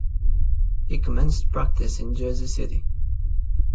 He commenced practice in Jersey City.